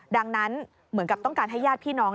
ดังนั้นเหมือนกับต้องการให้ญาติพี่น้อง